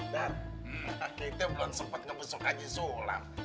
dar kita belum sempat ngebesok haji sulam